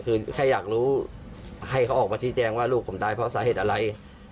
คือแค่อยากรู้ให้เขาออกมาที่แจ้งว่าลูกผมตายเพราะสาเหตุอะไร